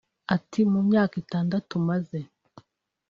Ati ” Mu myaka itandatu maze